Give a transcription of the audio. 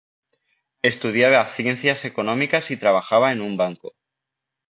Estudiaba Ciencias Económicas y trabajaba en en un banco.